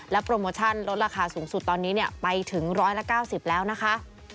โปรโมชั่นลดราคาสูงสุดตอนนี้ไปถึง๑๙๐แล้วนะคะ